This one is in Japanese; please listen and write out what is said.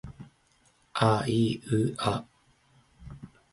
あいうあ